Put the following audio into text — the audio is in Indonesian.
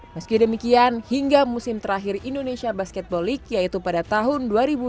meski demikian hingga musim terakhir indonesia basketball league yaitu pada tahun dua ribu dua puluh